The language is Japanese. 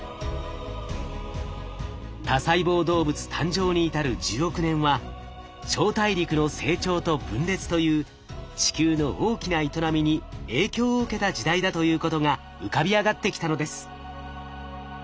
多細胞動物誕生に至る１０億年は超大陸の成長と分裂という地球の大きな営みに影響を受けた時代だということが浮かび上がってきたのです。